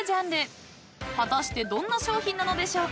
［果たしてどんな商品なのでしょうか？］